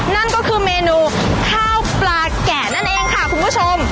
นั่นก็คือเมนูข้าวปลาแกะนั่นเองค่ะคุณผู้ชม